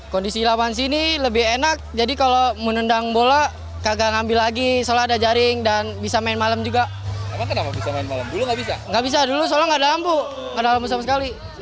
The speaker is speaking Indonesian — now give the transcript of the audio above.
kondisi lapangan sini lebih enak jadi kalau menendang bola kagak ngambil lagi soalnya ada jaring dan bisa main malam juga bisa main malam